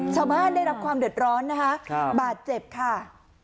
ชาวบ้านได้รับความเดือดร้อนนะคะบาดเจ็บค่ะ